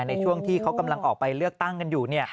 ในช่วงที่เขากำลังออกไปเลือกตั้งกันอยู่